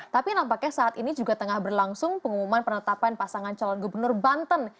tapi nampaknya saat ini juga tengah berlangsung pengumuman penetapan pasangan calon gubernur banten